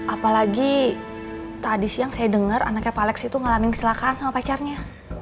apalagi tadi siang saya dengar anaknya pak alex itu ngalamin keselakaan sama pacarnya